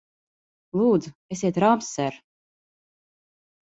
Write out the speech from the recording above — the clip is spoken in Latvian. Lūdzu, esiet rāms, ser!